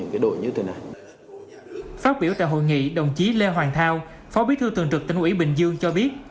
phát biểu tại hội nghị đồng chí lê hoàng thao phó bí thư tường trực tỉnh ủy bình dương cho biết